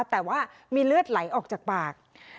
แต่ว่ามีเลือดไหลออกจากปาก